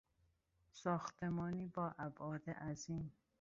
ساختمانی با ابعاد عظیم